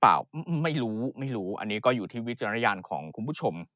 เปล่าไม่รู้ไม่รู้อันนี้ก็อยู่ที่วิจารณญาณของคุณผู้ชม